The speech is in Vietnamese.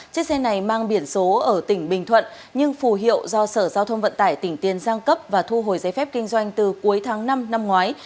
chiếc xe này mang biển số ở tỉnh bình thuận nhưng phù hiệu do sở giao thông vận tải tỉnh tiền giang cấp và thu hồi giấy phép kinh doanh từ cuối tháng năm năm ngoái